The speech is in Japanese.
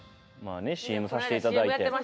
まあねＣＭさしていただいて。